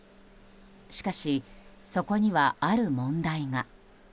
しかし、そこにはある問題が。